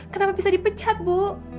kenapa bisa dipecat bu